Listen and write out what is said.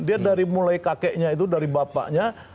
dia dari mulai kakeknya itu dari bapaknya